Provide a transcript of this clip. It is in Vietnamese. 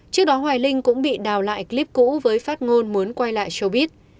trước đó hoài linh cũng bị đào lại clip cũ với phát ngôn muốn quay lại shobit